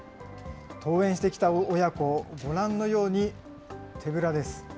登園してきた親子、ご覧のように手ぶらです。